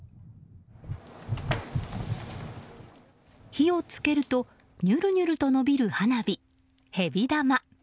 火を付けるとニュルニュルと伸びる花火ヘビ玉。